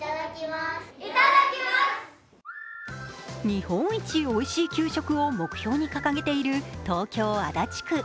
日本一おいしい給食を目標に掲げている東京・足立区。